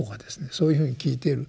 そういうふうに聞いている。